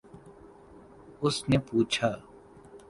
اس نے پوچھا